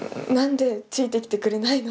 何でついてきてくれないの？